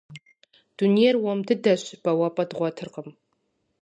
Дунейр уэм дыдэщ, бэуапӏэ дгъуэтыркъым.